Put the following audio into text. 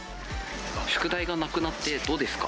宿題がなくなってどうですか？